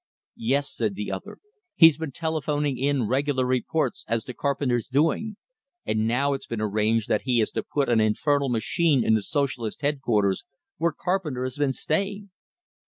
"Yes," said the other. "He's been telephoning in regular reports as to Carpenter's doings. And now it's been arranged that he is to put an infernal machine in the Socialist headquarters where Carpenter has been staying!"